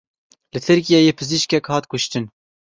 Li Tirkiyeyê pizîşkek hat kuştin.